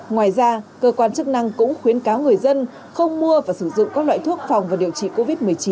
ngoài ra cơ quan chức năng cũng khuyến cáo người dân không mua và sử dụng các loại thuốc phòng và điều trị covid một mươi chín